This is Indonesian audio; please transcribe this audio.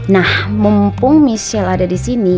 nah mumpung michelle ada disini